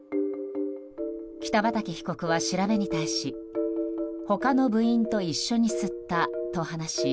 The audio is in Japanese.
北畠容疑者は調べに対し他の部員と一緒に吸ったと話し